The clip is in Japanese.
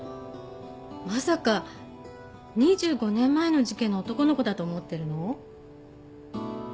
まさか２５年前の事件の男の子だと思ってるの？